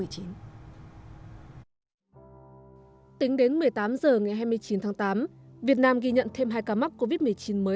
tính đến một mươi tám h ngày hai mươi chín tháng tám việt nam ghi nhận thêm hai ca mắc covid một mươi chín mới